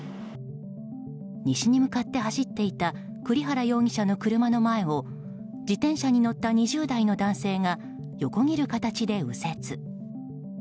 西に向かって走っていた栗原容疑者の車の前を自転車に乗った２０代の男性が横切る形で右折。